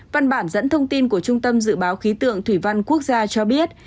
văn bản dẫn thông tin của trung tâm dự báo khí tượng thủy văn quốc gia cho biết